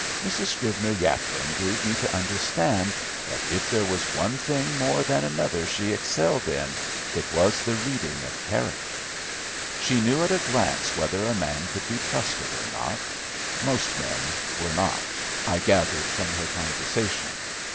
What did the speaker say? Mrs. Scrivener Yapling gave me to understand that if there was one thing more than another she excelled in it was the reading of character. She knew at a glance whether a man could be trusted or not; most men were not, I gathered from her conversation.